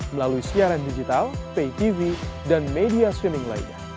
melalui siaran digital pay tv dan media swimming lainnya